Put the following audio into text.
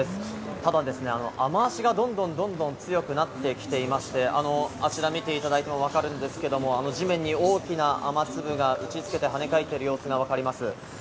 ただですね、雨脚がどんどんどんどん強くなってきていまして、あちらを見ていただいても分かるんですけど、地面に大きな雨粒が打ち付けて跳ね返っている様子がわかります。